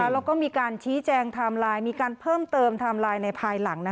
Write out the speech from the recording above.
แล้วก็มีการชี้แจงไทม์ไลน์มีการเพิ่มเติมไทม์ไลน์ในภายหลัง